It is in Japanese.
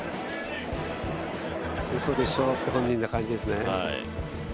うそでしょ、って本人の感じですね